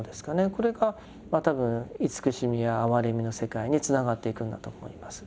これが多分慈しみや哀れみの世界につながっていくんだと思います。